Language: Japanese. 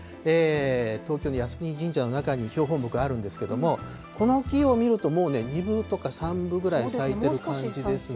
東京の靖国神社の中に標本木あるんですけれども、この木を見るともうね、２分とか３分ぐらい咲いてる感じですね。